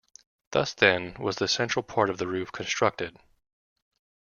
Thus, then, was the central part of the roof constructed.